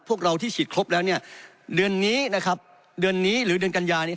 พวกเราที่ฉีดครบแล้วเนี่ยเดือนนี้นะครับเดือนนี้หรือเดือนกัญญานี้